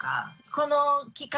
この期間